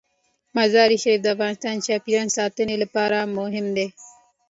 مزارشریف د افغانستان د چاپیریال ساتنې لپاره مهم دي.